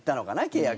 契約。